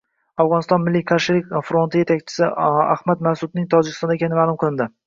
Afg‘oniston milliy qarshilik fronti yetakchisi Ahmad Mas’udning Tojikistonda ekani ma’lum qilindi